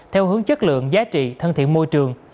theo hướng chất lượng giá trị thân thiện môi trường